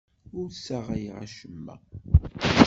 Ur ssaɣayeɣ acemma.